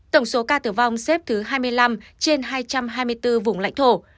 tổng số ca tử vong xếp thứ hai mươi năm trên hai trăm hai mươi bốn vùng lãnh thổ